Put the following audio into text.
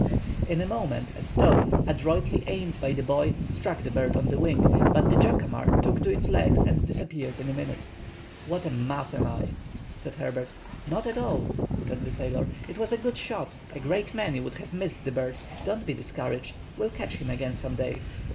In a moment a stone, adroitly aimed by the boy, struck the bird on the wing; but the jacamar took to his legs and disappeared in a minute. "What a muff I am," said Herbert. 'Not at all," said the sailor. "It was a good shot, a great many would have missed the bird. Don't be discouraged, we'll catch him again some day."